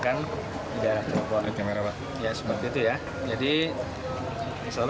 kapan untuk kapan